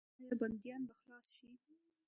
آیا بندیان به خلاص شي؟